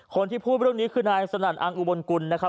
คนที่พูดเรื่องนี้คือนายสนั่นอังอุบลกุลนะครับ